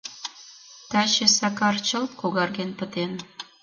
Таче Сакар чылт когарген пытен.